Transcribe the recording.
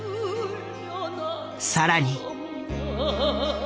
更に。